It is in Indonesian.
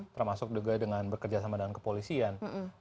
termasuk juga dengan bekerja sama dengan kepolisian